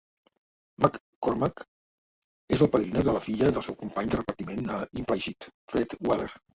McCormack és la padrina de la filla del seu company de repartiment a "In Plain Sight", Fred Weller.